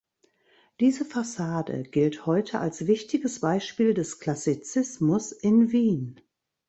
Diese Fassade gilt heute als wichtiges Beispiel des Klassizismus in Wien.